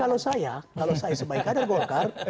kalau saya kalau saya sebaiknya ada golkar